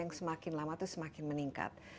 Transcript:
yang semakin lama itu semakin meningkat